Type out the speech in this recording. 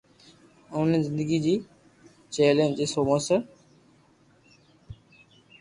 انهن کي زندگي جي چئلينجن کي موثر